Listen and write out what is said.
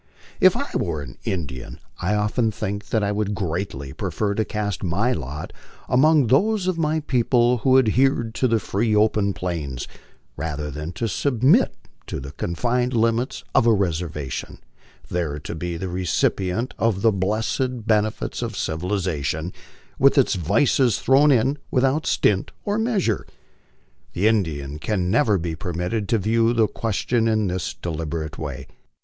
If I were an Indian, I often think that I would greatly prefer to cast my lot among those of my people who adhered to the freo open plains, rather than submit to the confined limits of a reservation, there to be the recipient of the blessed benefits of civilization, with its vices thrown in without stint or measure. The Indian can never be permitted to view the ques tion in this deliberate way.